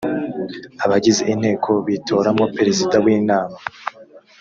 abagize inteko bitoramo perezida w’inama